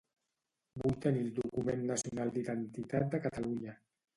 Vull tenir el Document Nacional d'Identitat de Catalunya